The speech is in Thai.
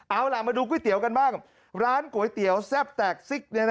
เอาล่ะมาดูก๋วยเตี๋ยวกันบ้างร้านก๋วยเตี๋ยวแซ่บแตกซิก